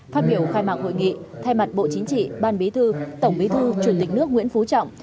phát biểu khai mạc hội nghị thay mặt bộ chính trị ban bí thư tổng bí thư chủ tịch nước nguyễn phú trọng